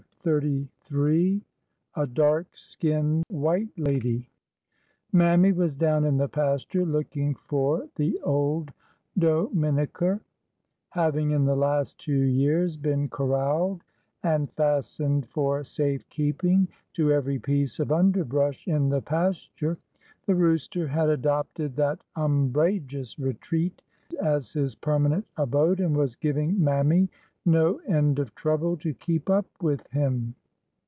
CHAPTER XXXIII A DARK SKINNED WHITE LADY '' M ammy was down in the pasture looking for the old Dominecker/^ Having in the last two years been corraled and fastened for safe keeping to every piece of underbrush in the pasture, the rooster had adopted that umbrageous retreat as his permanent abode, and was giv ing Mammy no end of trouble to keep up with him.